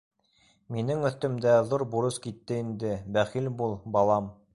Минең өҫтөмдә ҙур бурыс китте инде, бәхил бул, балам.